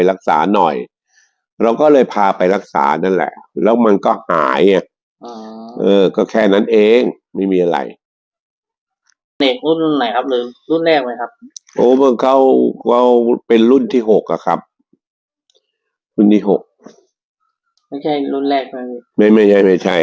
รักษาหน่อยเราก็เลยพาไปรักษานั่นแหละแล้วมันก็ก็แค่นั้นเองไม่มีอะไร